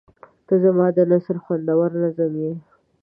• ته زما د نثر خوندور نظم یې.